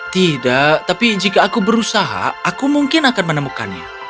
tidak tapi jika aku berusaha aku mungkin akan menemukannya